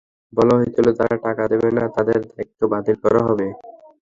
বলা হয়েছিল, যাঁরা টাকা দেবেন না, তাঁদের দায়িত্ব বাতিল করা হবে।